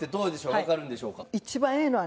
わかるんでしょうか？